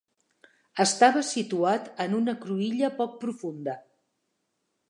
Estava situat en una cruïlla poc profunda.